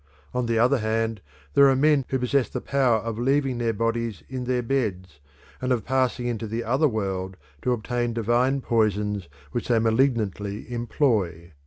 On the other hand there are men who possess the power of leaving their bodies in their beds and of passing into the other world to obtain divine poisons which they malignantly employ.